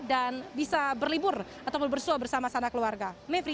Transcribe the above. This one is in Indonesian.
dan bisa berlibur atau bersua bersama sama keluarga